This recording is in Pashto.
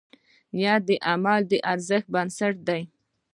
نیت د عمل د ارزښت بنسټ دی.